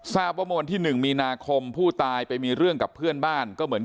ทราบว่าเมื่อวันที่๑มีนาคมผู้ตายไปมีเรื่องกับเพื่อนบ้านก็เหมือน